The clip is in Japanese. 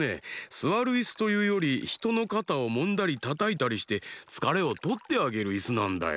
すわるイスというよりひとのかたをもんだりたたいたりしてつかれをとってあげるイスなんだよ。